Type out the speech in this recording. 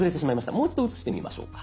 もう一度写してみましょうか。